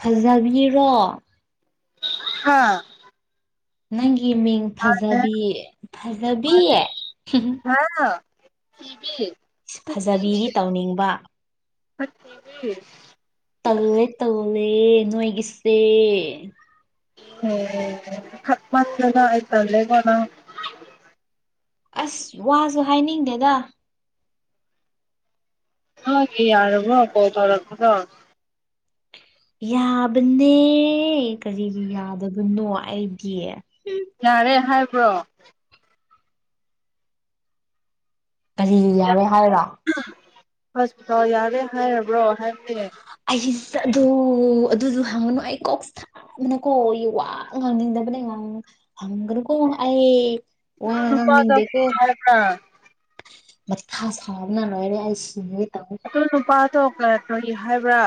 ꯐꯖꯕꯤꯔꯣ ꯍꯥ ꯅꯪꯒꯤ ꯃꯤꯡ ꯐꯖꯕꯤ ꯐꯖꯕꯤ ꯍꯥꯥ [inaudible] ꯐꯖꯕꯤꯗꯤ ꯇꯧꯅꯤꯡꯕ [inaudible] ꯇꯜꯂꯣꯂꯦ ꯇꯜꯂꯣꯂꯦ ꯅꯣꯏꯒꯤꯁꯦ ꯎꯝ ꯈꯠꯃꯟꯗꯅꯥ ꯑꯩ ꯇꯜꯂꯦꯀꯣ ꯅꯪ ꯑꯁ ꯋꯥꯁꯨ ꯍꯥꯏꯅꯤꯡꯗꯦꯗ ꯍ ꯏ ꯑꯔꯝꯕ ꯀꯣ ꯊꯔ ꯈꯔ [unintelligible] [inaudible] ꯌꯥꯕꯅꯦ ꯀꯔꯤꯒꯤ ꯌꯥꯗꯕꯅꯣ ꯑꯩꯒꯤ ꯌꯥꯔꯦ ꯍꯥꯏꯕ꯭ꯔꯣ ꯀꯔꯤꯒꯤ ꯌꯥꯔꯣꯏ ꯍꯥꯏꯔꯣ ꯍꯣꯁꯄꯤꯇꯥꯜ ꯌꯥꯔꯦ ꯍꯥꯏꯔꯕ꯭ꯔꯣ ꯍꯥꯏꯕꯅꯦ ꯑꯩꯁ-ꯑꯗꯨ ꯑꯗꯨꯁꯨ ꯍꯪꯒꯅꯨ ꯑꯩ ꯀꯣꯛꯁꯥ ꯑꯩꯅꯀꯣ ꯋꯥ ꯉꯥꯡꯅꯤꯡꯗꯕꯅꯦ- ꯉꯪ- ꯍꯪꯒꯅꯨ ꯑꯣ ꯑꯩ ꯋꯥ ꯑꯗꯨ ꯅꯨꯄꯥꯗꯣ ꯉꯅꯤꯡꯗꯦꯀꯣ ꯍꯥꯏꯕ꯭ꯔꯥ ꯃꯊꯥ ꯁꯥꯕꯅ ꯂꯣꯏꯔꯦ ꯑꯩ ꯁꯤꯒꯦ ꯇꯧꯋꯦ ꯑꯗꯨ ꯅꯨꯄꯥꯗꯣ ꯀꯔꯤ ꯍꯥꯏꯕ꯭ꯔꯥ?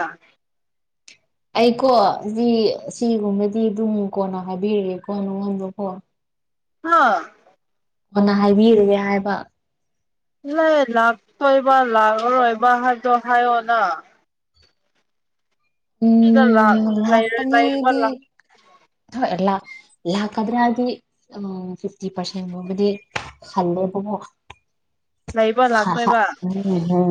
ꯑꯩꯀꯣ ꯁꯤ ꯁꯤꯒꯨꯝꯕꯗꯤ ꯑꯗꯨꯨꯡꯉꯨ ꯀꯣꯟꯅ ꯍꯥꯏꯕꯤꯔꯛꯑꯦꯀꯣ ꯅꯉꯣꯟꯗ ꯀ‌ꯣ ꯍꯥ ꯑꯣꯅ ꯍꯥꯏꯕꯤꯔꯨꯔꯦ ꯍꯥꯏꯕ ꯅꯣꯏ ꯂꯥꯛꯇꯣꯏꯕ ꯂꯥꯛꯑꯔꯣꯏꯕ ꯍꯥꯏꯕꯗꯣ ꯍꯥꯏꯌꯣꯅ꯫ ꯁꯤꯗ ꯂꯛ ꯂꯛ ꯑꯅꯤꯗꯤ ꯊꯣ ꯂꯥ-ꯂꯛꯀꯗꯔꯥꯗꯤ ꯎꯝ ꯐꯤꯐꯇꯤ ꯄꯥꯔꯁꯦꯟ ꯒꯨꯝꯕꯗꯤ ꯈꯜꯂꯦ ꯕꯀꯣ ꯂꯩꯕ ꯍꯥꯍꯥ ꯂꯥꯛꯇꯣꯏꯕ ꯎꯝ ꯎ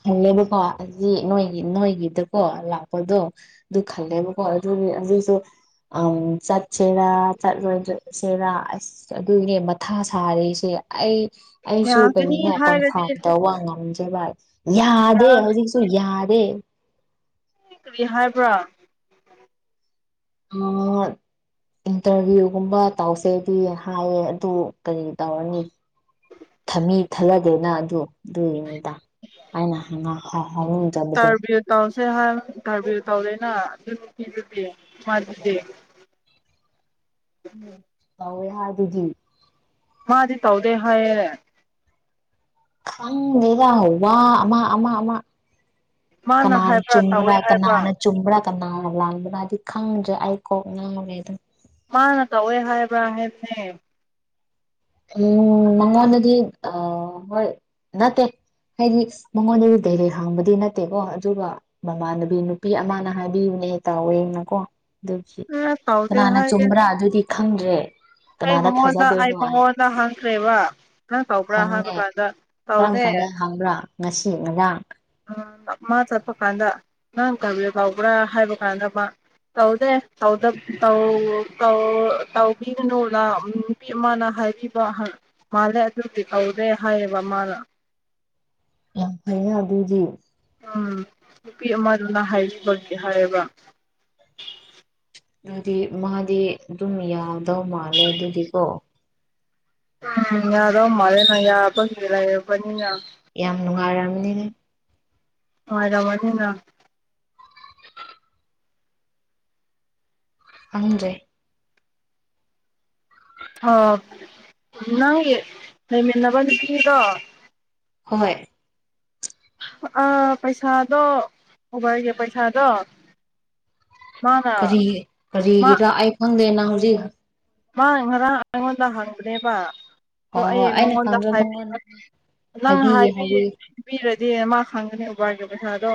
ꯈꯜꯉꯦꯕꯀꯣ ꯑꯁꯤ ꯅꯣꯏꯒꯤ ꯅꯣꯏꯒꯤꯗꯀꯣ ꯂꯥꯛꯄꯗꯣ ꯑꯗꯨ ꯈꯜꯂꯦꯕꯀꯣ ꯑꯗꯨꯅꯤ ꯑꯗꯨꯁꯨ ꯑ ꯆꯠꯁꯤꯔ ꯆꯠꯂꯣ ꯁꯦꯔꯥ ꯑꯁ ꯑꯗꯨꯏꯅꯦ ꯃꯊꯥ ꯁꯥꯔꯦ ꯑꯩ ꯑꯩꯁꯨ ꯌꯥꯒꯅꯤ ꯀꯔꯤꯅꯣ ꯍꯥꯏꯔꯗꯤ ꯑꯋꯥ ꯉꯝꯖꯦꯕꯥ ꯌꯥꯗꯦ ꯍꯧꯖꯤꯛꯁꯨ ꯌꯥꯗꯦ ꯀꯔꯤ ꯍꯥꯏꯕ꯭ꯔꯥ ꯍꯣꯢ ꯏꯟꯇꯔꯚ꯭ꯌꯨ ꯒꯨꯝꯕ ꯇꯧꯁꯦꯗꯤ ꯍꯥꯏꯌꯦ ꯑꯗꯨ ꯀꯔꯤ ꯇꯧꯔꯅꯤ [unintelligible] ꯑꯗꯨꯒꯤꯄꯤꯗ ꯑꯩꯅ ꯍꯥꯟꯅ ꯍꯔꯥꯎꯖꯕꯗꯣ [unintelligible] ꯇꯧꯋꯦ ꯍꯥꯢꯗꯨꯗꯤ ꯃꯥꯗꯤ ꯇꯧꯗꯦ ꯍꯥꯏꯌꯦ ꯈꯪꯗꯦꯗ ꯋꯥ ꯑꯃ ꯑꯃ ꯑꯃ ꯃꯥꯅ ꯀꯅꯥꯅ ꯍꯥꯏꯕ꯭ꯔꯥ ꯇꯧꯋꯦ ꯆꯨꯝꯕ꯭ꯔꯥ ꯍꯥꯏꯕ꯭ꯔꯥ ꯀꯅꯥꯅ ꯆꯨꯝꯕ꯭ꯔꯥ ꯀꯅꯅꯥ ꯂꯥꯟꯕ꯭ꯔꯥꯗꯤ ꯈꯪꯗꯔ‌ꯦ ꯑꯩ ꯀꯣꯛ ꯉꯥꯎꯔꯦꯗ ꯃꯥꯅ ꯇꯧꯋꯦ ꯍꯥꯏꯕ ꯍꯥꯏꯕꯅꯦ ꯎꯝ ꯃꯉꯣꯟꯗꯗꯤ ꯑ ꯍꯣꯏ ꯅꯠꯇꯦ ꯍꯥꯏꯗꯤ ꯃꯉꯣꯟꯗꯗꯤ ꯗꯥꯏꯔꯦꯛ ꯍꯪꯕꯗꯤ ꯅꯠꯇꯦꯀꯣ ꯑꯗꯨꯒ ꯃꯃꯥꯟꯅꯕꯤ ꯅꯨꯄꯤ ꯑꯃꯅ ꯍꯥꯏꯕꯤꯕꯅꯦ ꯇꯥꯎꯋꯦꯅꯀꯣ ꯑꯗꯨꯒꯤ ꯑꯦ ꯇꯧꯗꯦ ꯀꯅꯥꯅ ꯍꯥꯏꯌꯦ ꯆꯨꯝꯕ꯭ꯔꯥ ꯑꯗꯨꯗꯤ ꯈꯪꯗ꯭ꯔꯦ ꯑꯩ ꯀꯅꯥꯗ ꯃꯉꯣꯟꯗ ꯑꯩ ꯊꯥꯖꯗꯣꯏꯅꯣ ꯃꯉꯣꯟꯗ ꯍꯪꯈ꯭ꯔꯦꯕ ꯅꯪ ꯇꯧꯕ꯭ꯔꯥ ꯍꯥꯏꯕ ꯀꯥꯟꯗ ꯇꯧꯗꯦ ꯈꯪꯕ꯭ꯔꯥ ꯉꯁꯤ ꯉꯔꯥꯡ ꯎꯝ ꯃꯥ ꯆꯠꯄ ꯀꯥꯟꯗ ꯅꯪ ꯏꯟꯇꯔꯚ꯭ꯌꯨ ꯇꯧꯕ꯭ꯔꯥ ꯍꯥꯏꯕ ꯀꯥꯟꯗ ꯃꯥ ꯇꯧꯗꯦ ꯇꯧꯗ ꯇꯧ ꯇꯧ ꯇꯧꯕꯤꯒꯅꯨꯅ ꯎꯝ ꯅꯨꯄꯤ ꯑꯃꯅ ꯍꯥꯏꯕꯤꯕ ꯃꯥꯜꯂꯦ ꯑꯗꯨꯗꯤ ꯇꯧꯗꯦ ꯍꯥꯏꯌꯦꯕ ꯃꯥꯅ ꯌꯥꯝ ꯐꯩꯅ ꯑꯗꯨꯗꯤ ꯎꯝ ꯅꯨꯄꯤ ꯑꯃꯗꯨꯅ ꯍꯥꯏꯕꯤꯕꯒꯤ ꯍꯥꯏꯌꯦꯕ ꯗꯨꯗꯤ ꯃꯥꯗꯤ ꯑꯗꯨꯝ ꯌꯥꯎꯗꯧ ꯃꯥꯜꯂꯦ ꯑꯗꯨꯗꯤꯀꯣ ꯎꯝ ꯌꯥꯗꯧ ꯃꯥꯜꯂꯦ ꯌꯥꯕꯒꯤ [unintelligible] ꯌꯥꯝ ꯅꯨꯡꯉꯥꯏꯔꯝꯅꯤ ꯅꯨꯡꯉꯥꯏꯔꯝꯃꯥꯅꯤꯅ ꯈꯪꯗ꯭ꯔꯦ ꯍꯥ ꯅꯪꯒꯤ ꯂꯩꯃꯤꯟꯅꯕ ꯅꯨꯄꯤꯗꯣ ꯍꯣꯍꯣꯏ ꯑꯥ ꯄꯩꯁꯥꯗꯣ ꯎꯕꯥꯔꯒꯤ ꯄꯩꯁꯥꯗꯣ ꯃꯥꯅ ꯀꯔꯤ ꯃꯥ ꯀꯔꯤꯒꯤꯔꯥ ꯑꯩ ꯈꯪꯗꯦ ꯅꯪ ꯍꯧꯖꯤꯛ ꯃꯥꯅ ꯉꯔꯥꯡ ꯑꯩꯉꯣꯟꯗ ꯍꯪꯕꯅꯦꯕ ꯑꯗꯣ ꯍꯣꯏ ꯍꯣꯏ ꯑꯩ ꯑꯩꯅ ꯃꯉꯣꯟꯗ ꯈꯪꯗ꯭ꯔ ꯃꯉꯣꯟ ꯍꯥꯏꯕꯤꯕ ꯅꯪ ꯍꯥꯏꯕꯤꯒꯦ ꯍꯥꯏꯕꯤ ꯍꯥꯏꯕꯤꯒꯦ ꯕꯤꯔꯗꯤ ꯃꯥ ꯈꯪꯒꯅꯤ ꯎꯕ꯭ꯔꯒꯤ ꯄꯥꯏꯁꯥꯗꯣ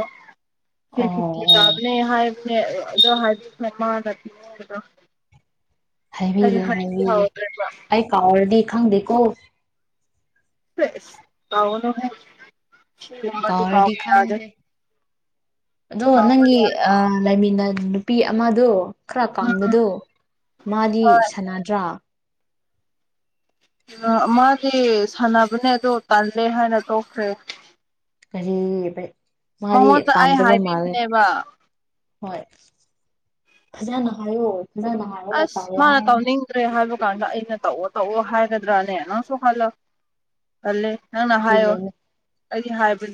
ꯊ꯭ꯔꯤ ꯑꯣ ꯐꯤꯐꯇꯤ ꯑꯣ ꯇꯥꯕ ꯅꯦ ꯍꯥꯏꯕꯅꯦ ꯑꯗꯣ ꯍꯥꯏꯕꯤꯈ꯭ꯔꯣ ꯃꯥꯅ ꯄꯤꯅꯤꯡꯕꯗꯣ ꯑꯩ ꯍꯥꯏꯕꯤꯒꯦ ꯍꯥꯏꯕꯤ ꯍꯥꯏꯕꯤꯒꯦ ꯍꯧꯗ꯭ꯔꯦꯕ ꯑꯩ ꯀꯥꯎꯔꯗꯤ ꯈꯪꯗꯦꯀꯣ꯫ ꯍꯤꯁ ꯀꯥꯎꯒꯅꯨꯍꯦ ꯁꯤꯒꯨꯝꯕꯗꯤ ꯀꯥꯎꯔꯗꯤ ꯀꯥꯎꯕ ꯌꯥꯗꯦ ꯈꯪꯗꯦ ꯑꯗꯣ ꯀꯥꯎꯕ ꯅꯪꯒꯤ ꯌꯥ ꯑ ꯂꯩꯃꯤꯟꯅ ꯅꯨꯄꯤ ꯑꯃꯗꯣ ꯈ꯭ꯔꯥ ꯎꯝ ꯀꯪꯕꯗꯨ ꯃꯥꯗꯤ ꯍꯣꯏ ꯁꯥꯟꯅꯗ꯭ꯔꯥ ꯃꯥꯗꯤ ꯁꯥꯟꯅꯕꯅꯦ ꯑꯣ ꯇꯜꯂꯦ ꯍꯥꯏꯅ ꯇꯣꯛꯈ꯭ꯔꯦ ꯀꯔꯤ ꯃꯥꯗꯤ ꯃꯉꯣꯟꯗ ꯑꯩ ꯄꯥꯝꯗꯕ ꯃꯥꯜꯂꯦ ꯍꯥꯏꯕꯤꯕꯅꯦꯕ ꯍꯣꯏ ꯐꯖꯟꯅ ꯍꯥꯏꯌꯣ ꯐꯖꯟꯅ ꯍꯥꯏ ꯑꯁ ꯃꯥꯅ ꯇꯧꯅꯤꯡ ꯗ꯭ꯔꯦ ꯍꯥꯏꯕ ꯀꯥꯟꯗ ꯑꯩꯅ ꯇꯧꯋꯣ ꯇꯧꯋꯣ ꯍꯥꯏꯒꯗ꯭ꯔꯥꯅꯦ ꯅꯪꯁꯨ ꯈꯜꯂꯣ ꯇꯜꯂꯦ ꯅꯪꯅ ꯍꯥꯏꯌꯣ ꯑꯗꯨꯅꯦ ꯑꯩꯗꯤ ꯍꯥꯏꯕ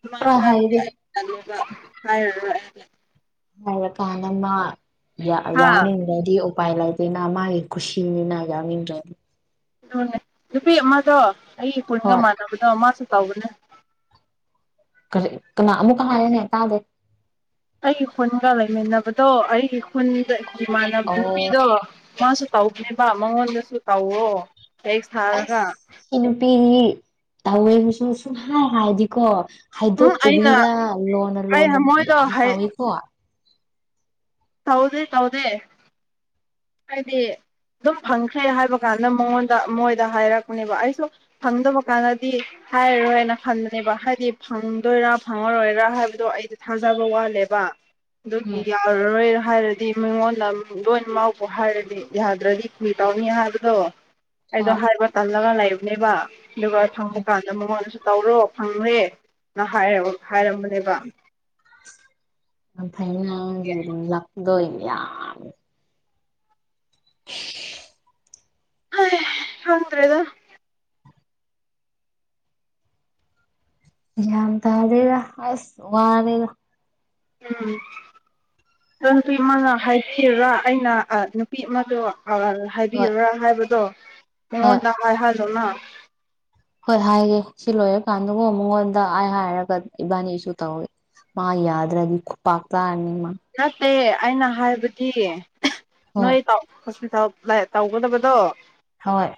ꯁꯨꯃꯥꯢ ꯈꯔ ꯍꯥꯏꯕꯗꯤ ꯍꯥꯏꯔꯗꯤ ꯑꯩ ꯇꯜꯂꯦꯕ ꯍꯥꯏꯔꯔꯣꯏ ꯑꯩꯗꯤ ꯍꯥꯏꯔ ꯀꯥꯟꯗ ꯃꯥ ꯌꯥꯎ ꯍꯥ ꯌꯥꯎꯅꯤꯡꯗꯗꯤ ꯎ ꯎꯄꯥꯏ ꯂꯩꯇꯅ ꯃꯥꯒꯤ ꯈꯨꯁꯤꯅꯤꯅ ꯌꯥꯎꯅꯤꯡꯗ꯭ꯔꯗꯤ ꯑꯗꯨꯅꯦ ꯅꯨꯄꯤ ꯑꯃꯗꯣ ꯑꯩ ꯀꯨꯟꯒ ꯍꯣꯏ ꯃꯥꯟꯅꯕꯗꯣ ꯃꯥꯁꯨ ꯇꯧꯕꯅꯦ ꯀꯅꯥ ꯑꯃꯨꯛ ꯍꯥꯏꯌꯨꯅꯦ ꯇꯥꯗꯦ ꯑꯩꯒꯤ ꯈꯨꯟꯒ ꯂꯩꯃꯤꯟꯅꯕꯗꯣ ꯑꯩꯒꯤ ꯈꯨꯟꯒ ꯏꯃꯥꯟꯅꯕ ꯑꯣ ꯅꯨꯄꯤꯗꯣ ꯃꯥꯁꯨ ꯇꯧꯅꯦꯕ ꯃꯉꯣꯟꯗꯁꯨ ꯇꯧꯔꯣ ꯇꯦꯛꯁ ꯊꯔꯒꯥ ꯑꯁ ꯁꯤ ꯅꯨꯄꯤꯗꯤ ꯇꯥꯋꯦ ꯁꯨꯝ ꯍꯥꯏ ꯍꯥꯏꯗꯤꯀꯣ ꯎꯝ ꯑꯩꯅ ꯍꯥꯏꯗꯣꯛꯇꯕꯤꯗ ꯂꯣꯟꯅ ꯂꯣꯟꯅ ꯑꯩꯅ ꯃꯣꯏꯗꯣ ꯌꯥꯝ ꯇꯧꯋꯦꯀꯣ ꯇꯧꯗꯦ ꯇꯧꯗꯦ ꯑꯩꯗꯤ ꯑꯗꯨꯝ ꯐꯪꯈ꯭ꯔꯦ ꯍꯥꯏꯕ ꯀꯥꯟꯗ ꯃꯉꯣꯟꯗ ꯃꯣꯏꯗ ꯍꯥꯏꯔꯛꯄꯅꯦꯕ ꯑꯩꯁꯨ ꯐꯪꯗꯕ ꯀꯥꯟꯗꯗꯤ ꯍꯥꯏꯔꯣꯏ ꯍꯥꯏꯅ ꯈꯟꯕꯅꯦꯕ ꯍꯥꯏꯗꯤ ꯐꯪꯗꯣꯏꯔꯥ ꯐꯪꯉꯔꯣꯏꯔꯥ ꯍꯥꯏꯕꯗꯣ ꯑꯩꯗꯤ ꯊꯥꯖꯕ ꯋꯥꯠꯂꯦꯕ꯫ ꯑꯗꯨꯒꯤ ꯎꯝ ꯌꯥꯔꯔꯣꯏ ꯍꯥꯏꯔꯗꯤ ꯃꯤꯉꯣꯟꯗ ꯂꯣꯏꯅꯃꯛ ꯍꯥꯏꯔꯗꯤ ꯌꯥꯗ꯭ꯔꯗꯤ ꯀꯔꯤ ꯇꯧꯅꯤ ꯍꯥꯏꯕꯗꯣ ꯑꯩꯗꯣ ꯍꯣꯏ ꯍꯥꯏꯕ ꯇꯜꯂꯒ ꯂꯩꯕꯅꯦꯕ ꯑꯗꯨꯒ ꯐꯪꯕ ꯀꯥꯟꯗ ꯃꯉꯣꯟꯗꯁꯨ ꯇꯧꯔꯣ ꯐꯪꯔꯦ ꯅ ꯍꯥꯏ-ꯍꯥꯏꯔꯝꯕꯅꯦꯕ ꯐꯩꯅꯒꯤ ꯂꯄꯗꯣ ꯏꯌꯥ [unintelligible] ꯍꯩ ꯈꯪꯗ꯭ꯔꯦꯗ ꯌꯥꯝ꯭ꯟ ꯇꯥꯗꯦꯗ ꯑꯁ ꯋꯥꯔꯦꯗ ꯎꯝ ꯅꯨꯄꯤ ꯑꯃꯅ ꯍꯥꯏꯕꯤꯔꯥ ꯑꯩꯅ ꯅꯨꯄꯤ ꯑꯃꯗꯣ ꯍꯣꯏ ꯍꯥꯏꯕꯤꯌꯔꯥ ꯍꯥꯏꯕꯗꯣ ꯍꯣꯏ ꯃꯉꯣꯟꯗ ꯍꯥꯏꯍꯜꯂꯨꯅ ꯍꯣꯏ ꯍꯥꯏꯒꯦ ꯁꯤ ꯂꯣꯏꯔ ꯀꯥꯟꯗꯀꯣ ꯃꯉꯣꯟꯗ ꯑꯩ ꯍꯥꯏꯔꯒ ꯏꯕꯥꯅꯤ ꯏꯁꯨ ꯇꯧꯏꯤ ꯃꯥ ꯌꯥꯗ꯭ꯔꯒ ꯈꯨꯥꯛꯇꯥꯥꯅꯤꯃ ꯅꯠꯇꯦ ꯑꯩꯅ ꯍꯥꯏꯕꯗꯤ ꯍꯣꯏ ꯅꯣꯏ ꯇꯧ ꯇꯧꯒꯗꯕꯗꯣ ꯍꯣꯏ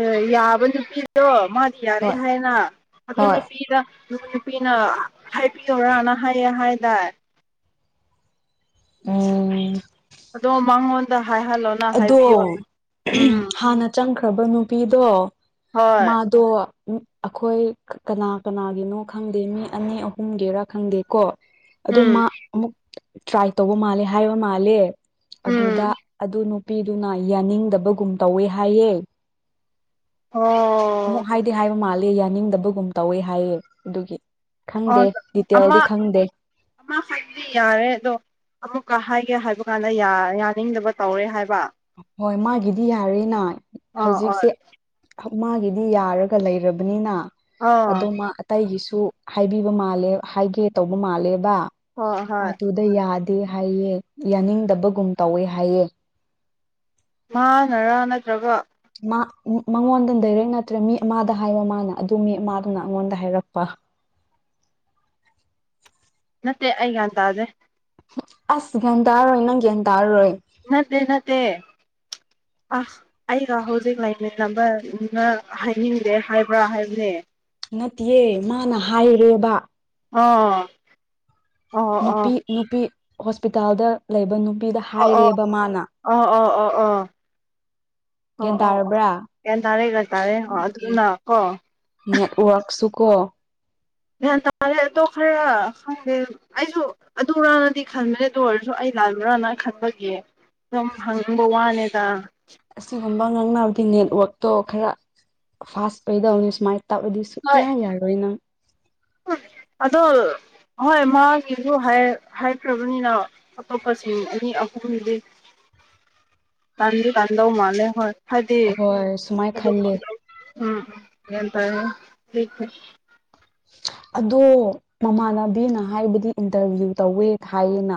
ꯑꯦ ꯌꯥꯕ ꯅꯨꯄꯤꯗꯣ ꯃꯥ ꯌꯥꯔꯦ ꯍꯣꯏ ꯍꯥꯏꯅ ꯑꯗꯨ ꯍꯣꯏ ꯅꯨꯄꯤꯗ ꯅꯨꯄꯤꯅ ꯍꯥꯏꯕꯤꯌ‌ꯣꯔꯥꯅ ꯍꯥꯏꯌꯦ ꯍꯥꯏꯗꯥꯏ ꯎꯝ ꯑꯗꯣ ꯃꯉꯣꯟꯗ ꯍꯥꯏꯍꯜꯂꯣ ꯑꯗꯣ ꯍꯅ ꯆꯪꯈ꯭ꯔꯕ ꯅꯨꯄꯤꯗꯣ ꯍꯣꯏ ꯃꯥꯗꯣ ꯑꯩꯈꯣꯏ ꯀꯅꯥ ꯀꯅꯥꯒꯤꯅꯣ ꯈꯪꯗꯦ ꯃꯤ ꯑꯅꯤ ꯑꯍꯨꯝꯒꯤꯔꯥ ꯈꯪꯗꯦ ꯀꯣ ꯑꯗꯨ ꯎꯝ ꯃꯥ ꯑꯃꯨꯛ ꯇ꯭ꯔꯥꯏ ꯇꯧꯕ ꯃꯥꯜꯂꯦ ꯍꯥꯏꯕ ꯃꯥꯜꯂꯦ ꯎꯝ ꯑꯗꯨꯗ ꯑꯗꯨ ꯅꯨꯄꯤꯗꯨꯅ ꯌꯥꯅꯤꯡꯗꯕꯒꯨꯝ ꯇꯧꯋꯦ ꯍꯥꯏꯌꯦ ꯑꯣ ꯑꯃꯨꯛ ꯍꯥꯏꯗꯤ ꯍꯥꯏꯕ ꯃꯥꯂꯦ ꯌꯥꯅꯤꯡꯗꯕꯒꯨꯝ ꯇꯧꯋꯦ ꯍꯥꯏꯌꯦ ꯑꯗꯨꯒꯤ ꯈꯪꯗꯦ ꯑꯣ ꯑꯃ ꯗꯤꯇꯦꯜꯗꯤ ꯈꯪꯗꯦ ꯑꯃ ꯍꯥꯏꯗꯤ ꯌꯥꯔꯦ ꯑꯗꯣ ꯑꯃꯨꯛꯀ ꯍꯥꯏꯒꯦ ꯍꯥꯏꯕ ꯀꯥꯟꯗ ꯌꯥꯅꯤꯡꯗꯕ ꯇꯧꯔꯦ ꯍꯥꯏꯕ ꯍꯣꯏ ꯃꯥꯒꯤꯗꯤ ꯌꯥꯔꯦꯅ ꯑꯥ ꯑꯣꯏ ꯍꯧꯖꯤꯛꯁꯦ ꯃꯥꯒꯤꯗꯤ ꯌꯥꯔꯒ ꯂꯩꯔꯕꯅꯤꯅ ꯑꯗꯣ ꯑꯥ ꯃꯥ ꯑꯩꯒꯤꯁꯨ ꯍꯥꯏꯕꯤꯕ ꯃꯥꯜꯂꯦ ꯍꯥꯏꯒꯦ ꯇꯧꯕ ꯃꯥꯜꯂꯦꯕ ꯍꯣꯏ ꯍꯣꯏ ꯑꯗꯨꯗ ꯌꯥꯗꯦ ꯍꯥꯏꯌꯦ ꯌꯥꯅꯤꯡꯗꯕꯒꯨꯝ ꯇꯧꯋꯦ ꯍꯥꯏꯌꯦ ꯃꯥꯅꯔꯥ ꯅꯠꯇ꯭ꯔꯒ ꯃꯉꯣꯟꯗ ꯗꯔꯦꯛ ꯅꯠꯇ꯭ꯔꯦ ꯃꯤ ꯑꯃꯗ ꯍꯥꯏꯕ ꯃꯥꯅ ꯑꯗꯨ ꯃꯤ ꯑꯃꯗꯨꯅ ꯑꯩꯉꯣꯟꯗ ꯍꯥꯏꯔꯛꯄ ꯅꯠꯇꯦ ꯑꯩꯒꯌꯥꯟ ꯇꯥꯗ‌ꯦ ꯑꯁ ꯒ꯭ꯌꯥꯟ ꯇꯥꯔꯣꯏ ꯅꯪ ꯒ꯭ꯌꯥꯟ ꯇꯥꯔꯔꯣꯏ ꯅꯠꯇꯦ ꯅꯠꯇꯦ ꯑ ꯑꯩꯒ ꯍꯧꯖꯤꯛ ꯂꯥꯏꯃꯤꯟꯅꯕ ꯗꯨꯅ ꯍꯥꯏꯅꯤꯡꯗꯦ ꯍꯥꯏꯕ꯭ꯔꯥ ꯍꯥꯏꯕꯅꯦ ꯅꯠꯇꯤꯌꯦ ꯃꯥꯅ ꯍꯥꯏꯔꯦꯕ ꯑꯣ ꯑꯣ ꯑꯣ ꯅꯨꯄꯤ ꯅꯨꯄꯤ ꯍꯣꯁꯄꯤꯇꯥꯜꯗ ꯂꯩꯕ ꯅꯨꯄꯤꯗ ꯑꯣ ꯍꯥꯏꯔꯦꯕ ꯃꯥꯅ ꯑꯣ ꯑꯣ ꯑꯣ ꯑꯣ ꯑꯣ ꯒ꯭ꯌꯥꯟ ꯑꯣ ꯑꯣ ꯇꯥꯔꯕ꯭ꯔꯥ ꯒ꯭ꯌꯥꯟ ꯇꯥꯔꯦ ꯒꯌꯥꯟ ꯇꯥꯔꯦ ꯑꯣ ꯑꯗꯨꯝꯅ ꯀꯣ ꯅꯦꯠꯋꯥꯔꯛꯁꯨ ꯀꯣ ꯒ꯭ꯌꯥꯟ ꯇꯥꯔꯦ ꯑꯗꯣ ꯈꯔ ꯈꯪꯗꯦ ꯑꯩꯖꯨ ꯑꯗꯨꯔꯥꯅꯗꯤ ꯈꯟꯕꯅꯦ ꯑꯗꯨ ꯑꯣꯏꯔꯁꯨ ꯑꯩ ꯂꯥꯟꯕ꯭ꯔꯥꯅ ꯈꯟꯕꯒꯤ ꯁꯨꯝ ꯍꯪꯅꯤꯡꯕ ꯋꯥꯅꯤꯗ ꯑꯁꯤꯒꯨꯝꯕ ꯉꯥꯡꯅꯕꯗꯤ ꯅꯦꯠꯋꯥꯛꯇꯣ ꯈꯔ ꯐꯥꯁ ꯄꯩꯗꯧꯅꯤ ꯁꯨꯃꯥꯏ ꯇꯥꯞꯑꯗꯤ ꯍꯣꯏ ꯁꯨꯡꯌꯥ ꯌꯥꯔꯣꯏ ꯅꯪ ꯑꯗꯣ ꯍꯣꯏ ꯃꯥꯒꯤꯁꯨ ꯍꯥꯏ ꯍꯥꯢꯈ꯭ꯔꯕꯅꯤꯅ ꯑꯇꯣꯞꯄꯁꯤꯡ ꯑꯅꯤ ꯑꯍꯨꯝꯒꯤꯗꯤ ꯇꯟꯗꯤ ꯇꯟꯗꯧ ꯃꯥꯜꯂꯦ ꯍꯣꯏ ꯍꯥꯏꯗꯤ ꯍꯣꯏ ꯁꯨꯃꯥꯏꯅ ꯈꯜꯂꯦ ꯎꯝ ꯎꯝ [unintelligible] ꯑꯗꯣ ꯃꯃꯥꯟꯅꯕꯤꯅ ꯍꯥꯏꯕꯗꯤ ꯏꯟꯇꯔꯚ꯭ꯌꯨ ꯇꯧꯋꯦ ꯍꯥꯏꯌꯦꯅ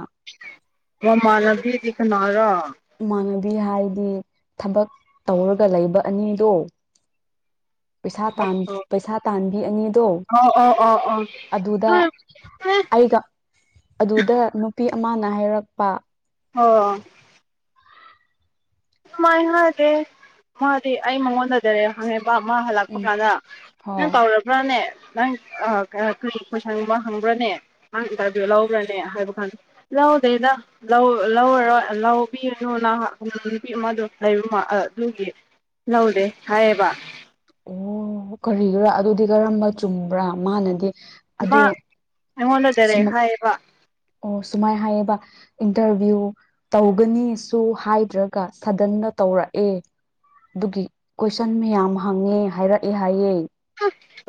ꯃꯃꯥꯟꯅꯕꯤꯗꯤ ꯀꯅꯥꯔꯥ? ꯏꯃꯥꯟꯅꯕꯤ ꯍꯥꯏꯗꯤ ꯊꯕꯛ ꯇꯧꯔꯒ ꯂꯩꯕ ꯑꯅꯤꯗꯣ ꯄꯩꯁꯥ ꯇꯥꯟ ꯑꯣ ꯄꯩꯁꯥ ꯇꯥꯟꯕꯤ ꯑꯅꯤꯗꯣ ꯑꯣ ꯑꯣ ꯑꯣ ꯑꯗꯨꯗ ꯑꯩꯒ ꯑꯗꯨꯗ ꯅꯨꯄꯤ ꯑꯃꯅ ꯍꯥꯏꯔꯛꯄ [unintelligible] [unintelligible] ꯃꯥꯗꯤ ꯑꯩ ꯃꯉꯣꯟꯗ ꯗ꯭ꯔꯦ ꯈꯪꯉꯦꯕ ꯃꯥ ꯍꯜꯂꯛꯄ ꯎꯝ ꯀꯥꯟꯗ ꯍꯣꯏ ꯅꯪ ꯀꯥꯎꯔ ꯕ꯭ꯔꯥꯅꯦ ꯅꯪ ꯀꯔꯤ ꯀꯣꯏꯁꯟꯒꯨꯝꯕ ꯍꯪꯕ꯭ꯔꯥꯅꯦ ꯃꯥꯅ ꯢꯟꯇꯔꯚ꯭ꯌꯨ ꯂꯧꯕ꯭ꯔꯥꯅꯦ ꯍꯥꯏꯕ ꯀꯥꯟꯗ ꯂꯧꯗꯦꯅ ꯂꯧ ꯂꯧꯔꯔꯣꯏ ꯂꯧꯕꯤꯔꯅꯨꯅ ꯎꯝ ꯅꯨꯄꯤ ꯑꯃꯗꯣ ꯂꯩ ꯃꯥ ꯑꯗꯨꯒꯤ ꯂꯧꯗꯦ ꯍꯥꯏꯌꯦꯕ ꯑꯣ ꯀꯔꯤꯒꯤꯔꯥ ꯑꯗꯨꯗꯤ ꯀꯔꯝꯕ ꯆꯨꯝꯕ꯭ꯔꯥ ꯃꯥꯅꯗꯤ ꯏꯃꯥ ꯑꯗꯣ ꯑꯩꯉꯣꯟꯗ ꯁꯨꯝ ꯗꯥꯏꯔꯦꯛ ꯍꯥꯏꯌꯦꯕ ꯑꯣ ꯁꯨꯃꯥꯢ ꯍꯥꯏꯌꯦꯕ ꯏꯟꯇꯔꯚ꯬ꯌꯨ ꯇꯧꯒꯅꯤꯁꯨ ꯍꯥꯏꯗ꯭ꯔꯒ ꯁꯗꯟꯗ ꯇꯧꯔꯛꯑꯦ ꯑꯗꯨꯒꯤ ꯀꯣꯏꯁꯟ ꯃꯌꯥꯝ ꯍꯪꯉꯦ ꯍꯥꯏꯔꯛꯑꯦ ꯍꯥꯏꯌꯦ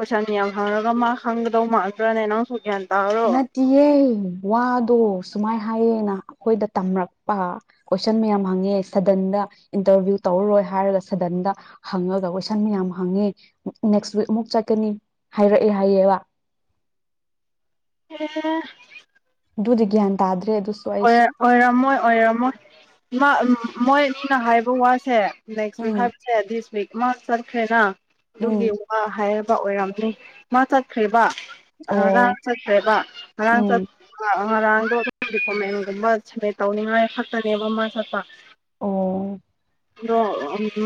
ꯀꯣꯢꯁꯟ ꯌꯥꯝ ꯍꯪꯉꯒ ꯃꯥ ꯈꯪꯒꯗꯧ ꯃꯥꯥꯟꯕ꯭ꯔꯥꯅꯦ ꯅꯪꯁꯨ ꯒ꯭ꯌꯥꯟ ꯇꯥꯔꯣ ꯅꯠꯇꯤꯌꯦ ꯋꯥꯗꯣ ꯁꯨꯃꯥꯏ ꯍꯥꯏꯌꯦꯅ ꯑꯩꯈꯣꯏꯗ ꯇꯝꯔꯛꯄ ꯀꯣꯏꯁꯟ ꯃꯌꯥꯝ ꯍꯪꯉꯦ ꯁꯗꯟꯗ ꯏꯟꯇꯔꯚ꯭ꯌꯨ ꯇꯧꯔꯔꯣꯏ ꯍꯥꯏꯔꯒ ꯁꯗꯟꯗ ꯍꯪꯉꯒ ꯀꯣꯏꯁꯟ ꯃꯌꯥꯝ ꯍꯪꯉꯦ ꯅꯦꯛꯁ ꯋꯤꯛ ꯑꯃꯨꯛ ꯆꯠꯀꯅꯤ ꯍꯥꯏꯔꯛꯑꯦ ꯍꯥꯏꯌꯦꯕ [unintelligible] ꯑꯗꯨꯗꯤ ꯒꯤꯌꯥꯟ ꯇꯗ꯭ꯔꯦ ꯑꯗꯨꯁ ꯑꯣꯏ ꯑꯣꯢꯔꯝꯃꯣꯏ ꯑꯣꯏꯔꯝꯃꯣꯏ ꯃꯥ ꯃꯣꯏꯅ ꯑꯅꯤꯅ ꯍꯥꯏꯕ ꯋꯥꯁꯦ ꯅꯦꯛꯁ ꯋꯤꯛ ꯎꯝ ꯍꯥꯏꯕꯁꯦ ꯗꯤꯁ ꯋꯤꯛ ꯑꯃ ꯆꯠꯈ꯭ꯔꯦꯅ ꯎꯝ ꯃꯥ ꯍꯥꯏꯌꯦꯕ ꯑꯣꯏꯔꯝꯅꯤ ꯃꯥ ꯆꯠꯈ꯭ꯔꯤꯕ ꯍꯔꯥꯡ ꯑꯣ ꯆꯠꯈ꯭ꯔꯦꯕ ꯍꯔꯥꯡ ꯆꯠ ꯎꯝ ꯉꯔꯥꯡꯗꯣ ꯑꯗꯨꯝ ꯗꯣꯀꯨꯃꯦꯟꯒꯨꯝꯕ ꯁꯃꯤꯠ ꯇꯧꯅꯤꯡꯉꯥꯏ ꯈꯛꯇꯅꯦꯕ ꯃꯥ ꯆꯠꯄ ꯑꯣ ꯑꯗꯣ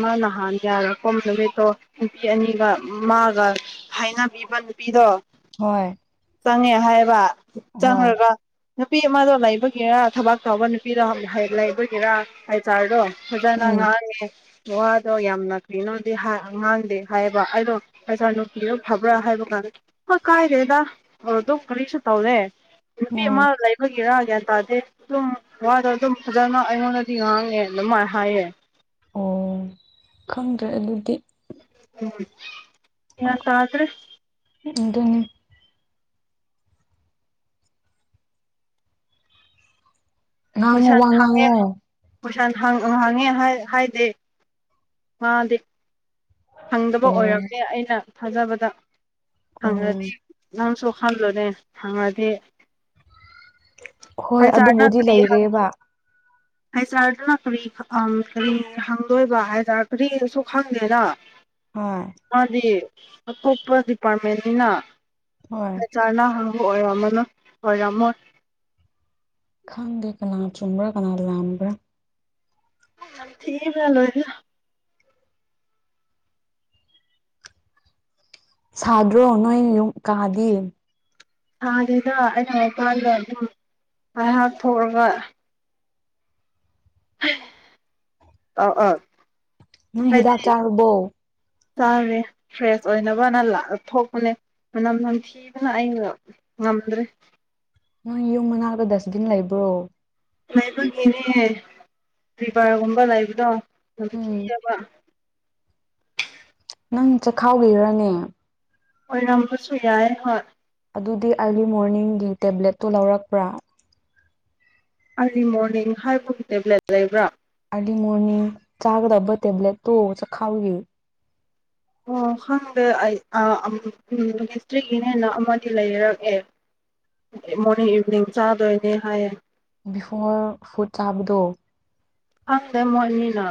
ꯃꯥ ꯅꯍꯥꯟ ꯌꯥꯔꯛꯄ ꯅꯨꯃꯤꯠꯇꯣ ꯅꯨꯄꯤ ꯑꯅꯤꯒ ꯃꯥꯒ ꯍꯥꯏꯅꯕꯤꯕ ꯅꯨꯄꯤꯗꯣ ꯍꯣꯏ ꯆꯪꯉꯦ ꯍꯥꯏꯌꯧꯕ ꯍꯣꯏ ꯆꯪꯔꯒ ꯅꯨꯄꯤ ꯑꯃꯗꯣ ꯂꯩꯕꯒꯤꯔꯥ ꯊꯕꯥꯛ ꯇꯧꯕ ꯅꯨꯄꯤꯗꯣ ꯂꯩꯕꯒꯤꯔꯥ ꯍꯩꯁ ꯑꯥꯔꯗꯣ ꯐꯗꯅ ꯎꯝ ꯉꯥꯡꯉꯦ ꯋꯥꯗꯣ ꯌꯥꯝꯅ ꯀꯩꯅꯣꯗꯤ ꯉꯥꯡꯗꯦ ꯍꯥꯏꯌꯦꯕ ꯑꯗꯣ ꯄꯩꯁꯥ ꯅꯨꯡꯄꯤꯅ ꯐꯕ꯭ꯔꯥ ꯍꯥꯏꯕ ꯀꯥꯟꯗ ꯍꯣꯏ ꯀꯥꯏꯔꯦꯗ ꯑꯗꯨꯝ ꯀꯔꯤꯁꯨ ꯇꯧꯔꯦ ꯏꯄꯤꯦꯃ ꯑꯣ ꯂꯩ ꯑꯩꯈꯣꯏꯒꯤꯔꯥ ꯒ꯭ꯌꯥꯟ ꯇꯥꯗꯦ ꯑꯗꯨꯝ ꯋꯥꯗꯣ ꯑꯗꯨꯝ ꯐꯖꯅ ꯑꯩꯉꯣꯟꯗꯗꯤ ꯉꯥꯡꯉꯦ ꯑꯗꯨꯃꯥꯏꯅ ꯍꯥꯏꯌꯦ ꯑꯣ ꯈꯪꯗ꯭ꯔꯦ ꯑꯗꯨꯗꯤ ꯎꯝ ꯌꯦ ꯇꯗ꯭ꯔꯦ ꯑꯗꯨ ꯑꯗꯨꯅꯤ ꯉꯥꯡꯉꯣ ꯄꯩꯁꯜ ꯋꯥ ꯐꯪꯉꯦ ꯉꯥꯡꯉꯣ ꯄꯩꯁꯥ ꯍꯥꯡꯉꯦ ꯍꯥꯏꯗꯦ ꯃꯥꯗꯦ ꯐꯪꯗꯕ ꯑꯣ ꯑꯣꯏꯔꯛꯀꯦ ꯑꯩꯅ ꯊꯥꯖꯕꯗ ꯑꯣ ꯍꯪꯉꯗꯤ ꯅꯪꯁꯨ ꯈꯜꯂꯨꯨꯔꯦ ꯍꯪꯉꯗꯤ ꯍꯣꯏ ꯍꯥꯏꯆꯥꯔꯅ ꯑꯗꯨꯕꯨꯗꯤ ꯂꯩꯔꯦꯕ ꯑꯩꯖꯥꯔꯗꯨꯅ ꯀꯔꯤ ꯀꯔꯤ ꯍꯪꯗꯣꯏꯕ ꯍꯥꯏꯇꯥꯔ ꯀꯔꯤꯁꯨ ꯈꯪꯗꯦꯔ ꯍ ꯍꯣꯏ ꯃꯥꯗꯤ ꯑꯇꯣꯞꯄ ꯗꯤꯄꯥꯔꯠꯃꯦꯟꯅꯤꯅ ꯍꯣꯏ ꯆꯔꯅ ꯍꯪꯕ ꯑꯣꯢꯔꯝꯃꯅꯨ ꯑꯣꯢꯔꯝꯃꯣꯢ ꯈꯪꯗꯦ ꯀꯅꯥ ꯆꯨꯝꯕ꯭ꯔꯥ ꯀꯅꯥ ꯂꯥꯟꯕ꯭ꯔꯥ ꯊ ꯐ ꯂꯣꯏ ꯁꯥꯗ꯭ꯔꯣ ꯅꯣꯏ ꯌꯨꯝ ꯀꯥꯗꯤ ꯊꯥꯗꯦꯗ ꯑꯩꯅ ꯃꯄꯥꯟꯗ ꯑꯗꯨꯝ ꯉꯥꯏꯍꯥꯛ ꯊꯣꯛꯑꯒ ꯑ ꯑꯥ ꯅꯣꯏ ꯍꯤꯗꯥꯥꯛ ꯆꯥꯔꯕꯣ ꯆꯥꯔꯦ ꯐ꯭ꯔꯦꯁ ꯑꯣꯏꯅꯕꯅ ꯂꯥꯛ ꯊꯣꯛꯄꯅꯦ ꯃꯅꯝ ꯅꯝꯊꯤꯕꯅ ꯑꯩꯅ ꯉꯝꯗ꯭ꯔꯦ ꯅꯪ ꯌꯨꯝ ꯃꯅꯥꯛꯇ ꯗꯁꯕꯤꯟ ꯂꯩꯕ꯭ꯔꯣ ꯂꯩꯕꯒꯤꯅꯦ ꯔꯤꯕꯔꯒꯨꯝꯕ ꯂꯩꯕꯗꯣ ꯎꯝ ꯅꯝꯊꯤꯌꯦꯕ ꯅꯪ ꯆꯈꯥꯎꯒꯤꯔꯅꯦ ꯑꯣꯏꯔꯝꯕꯁꯨ ꯌꯥꯏ ꯍꯣꯏ ꯑꯗꯨꯗꯤ ꯑꯥꯔꯂꯤ ꯃꯣꯔꯅꯤꯡꯒꯤ ꯇꯦꯕ꯭ꯂꯦꯠꯇꯣ ꯂꯧꯔꯛꯄ꯭ꯔꯥ ꯑꯥꯔꯂꯤ ꯃꯣꯔꯅꯤꯡ ꯍꯥꯏꯕꯒꯤ ꯇꯦꯕ꯭ꯂꯦꯠ ꯂꯩꯕ꯭ꯔꯥ ꯑꯗꯤꯉꯣꯅꯦ ꯆꯥꯥꯕ ꯂꯣꯢꯕ ꯇꯦꯕ꯭ꯂꯠ ꯇꯨ ꯆꯈꯥꯎꯒꯤ ꯑꯣ ꯈꯪꯗꯦ ꯑꯩ ꯍꯤꯁꯇ꯭ꯔꯤꯒꯤꯅꯦꯟꯅ ꯑꯃꯗꯤ ꯂꯩꯔꯛꯑꯦ ꯃꯣꯔꯅꯤꯡ ꯏꯚꯤꯅꯤꯡ ꯆꯥꯗꯣꯏꯅꯦ ꯍꯥꯏꯌꯦ ꯕꯤꯐꯣꯔ ꯐꯨꯗ ꯆꯥꯕꯗꯣ ꯈꯪꯗꯦ ꯃꯣꯏ ꯑꯅꯤꯅ